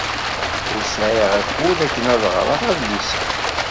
Ur sɛiɣ akud akken ad ɣreɣ adlis-a.